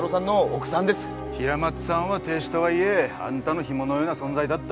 平松さんは亭主とはいえあんたのヒモのような存在だった。